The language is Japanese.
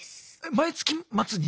毎月末に？